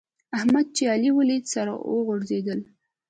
احمد چې علي وليد؛ سره غوړېدل.